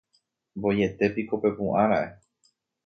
Voietépiko pepu'ãra'e.